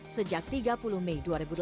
sejak tiga puluh mei dua ribu delapan belas